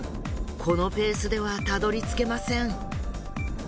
このペースではたどりつけません。